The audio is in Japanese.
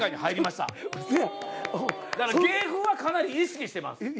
だから芸風はかなり意識してます。